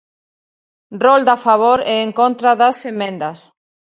Rolda a favor e en contra das emendas.